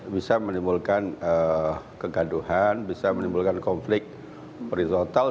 bisa menimbulkan kegaduhan bisa menimbulkan konflik horizontal